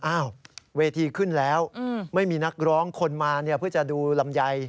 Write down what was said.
อ้าวเวทีขึ้นแล้วไม่มีนักร้องคนมาเพื่อจะดูลำไย